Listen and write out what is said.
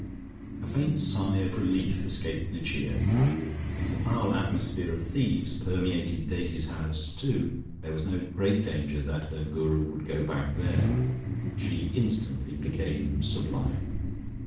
A faint sign of relief escaped Lucia. If the foul atmosphere of thieves permeated Daisy's house, too, there was no great danger that her Guru would go back there. She instantly became sublime.